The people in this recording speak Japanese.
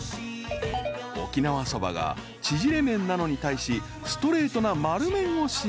［沖縄そばが縮れ麺なのに対しストレートな丸麺を使用］